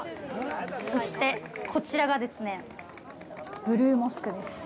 そして、こちらがブルーモスクです。